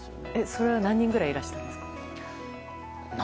それは何人ぐらいいらっしゃったんですか？